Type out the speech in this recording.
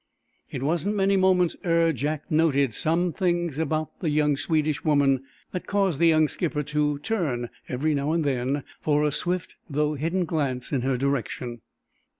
It wasn't many moments ere Jack noted some thing about the young Swedish woman that caused the young skipper to turn, every now and then, for a swift though hidden glance in her direction.